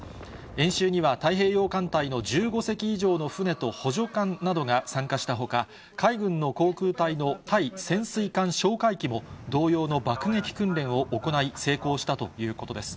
演習には、太平洋艦隊の１５隻以上の船と補助艦などが参加したほか、海軍の航空隊の対潜水艦哨戒機も同様の爆撃訓練を行い、成功したということです。